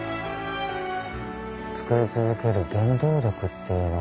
作り続ける原動力っていうのは？